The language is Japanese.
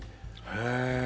へえ！